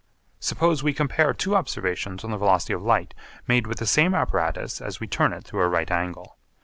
Suppose we compare two observations on the velocity of light made with the same apparatus as we turn it through a right angle.